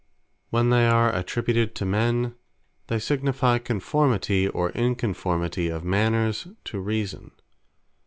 When they are attributed to Men, they signifie Conformity, or Inconformity of Manners, to Reason.